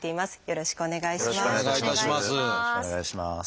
よろしくお願いします。